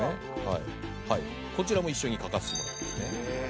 こちらも一緒に書かせてもらいますね。